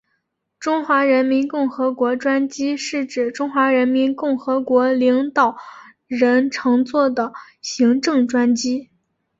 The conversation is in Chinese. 中华人民共和国专机是指中华人民共和国领导人乘坐的行政专机。